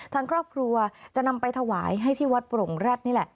ทางครอบครัวจะนำไปถวายให้ที่วัดโปร่งแร็ดนี่แหละ